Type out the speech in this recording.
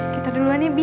kita duluan ya bi